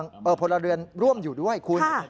มีทั้งตำรวจและมีพลเรือนร่วมอยู่ด้วยคุณ